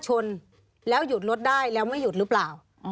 มีความรู้สึกว่ามีความรู้สึกว่า